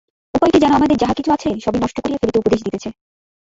উপায়টি যেন আমাদের যাহা কিছু আছে, সবই নষ্ট করিয়া ফেলিতে উপদেশ দিতেছে।